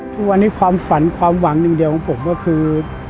ทุกวันนี้ความฝันความหวังอย่างเดียวของผมก็คือ